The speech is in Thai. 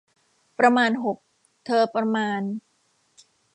ประมาณหก เธอประมาณ